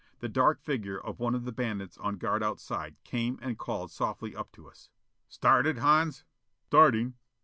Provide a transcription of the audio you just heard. The dark figure of one of the bandits on guard outside came and called softly up to us. "Started. Hans?" "Starting."